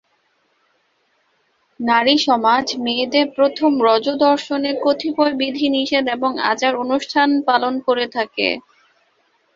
নারীসমাজ মেয়েদের প্রথম রজোদর্শনে কতিপয় বিধিনিষেধ এবং আচারানুষ্ঠান পালন করে থাকে।